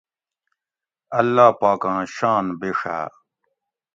اللّہ پاکاں شان بِیڛاۤ